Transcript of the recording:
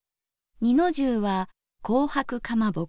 二の重は紅白かまぼこ